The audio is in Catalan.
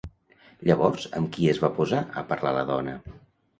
Llavors, amb qui es va posar a parlar la dona?